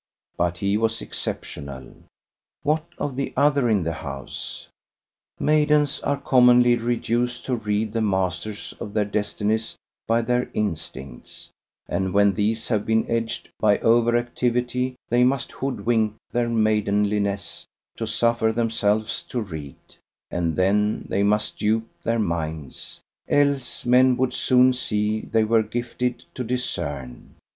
But he was exceptional. What of the other in the house? Maidens are commonly reduced to read the masters of their destinies by their instincts; and when these have been edged by over activity they must hoodwink their maidenliness to suffer themselves to read; and then they must dupe their minds, else men would soon see they were gifted to discern.